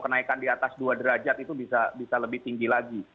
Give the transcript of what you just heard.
kenaikan di atas dua derajat itu bisa lebih tinggi lagi